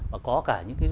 và có cả